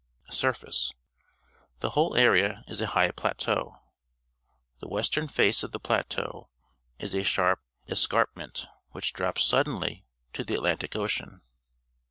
Surface. — The whole area is a high plateau. The western face of the plateau is a sharp escarpment, which drops suddenly to the Atlantic Ocean.